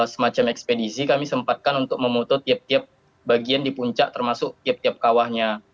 semacam ekspedisi kami sempatkan untuk memutut tiap tiap bagian di puncak termasuk tiap tiap kawahnya